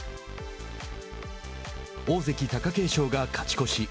大関・貴景勝が勝ち越し。